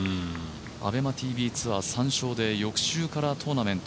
ＡｂｅｍａＴＶツアー３勝で翌週からトーナメント。